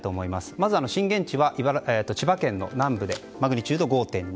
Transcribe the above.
まず震源地は千葉県の南部でマグニチュード５．２。